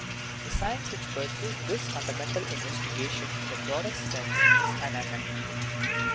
The science which pur sues this fundamental investigation in the broadest sense is anatomy.